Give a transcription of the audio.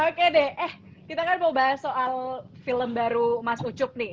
oke deh eh kita kan mau bahas soal film baru mas ucup nih